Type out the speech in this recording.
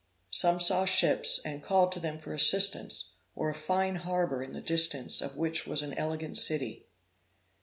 Some saw ships, and called to them for assistance, or a fine harbor, in the distance of which was an elegant city.